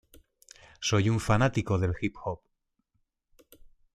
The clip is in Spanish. Soy un fanático del hip-hop.